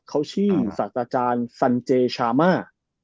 เขาชื่อสัตว์อาจารย์สันเจชามา